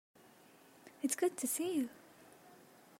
It's good to see you.